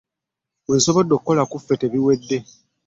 Bwe nsobodde okukola ku byaffe tebiwedde.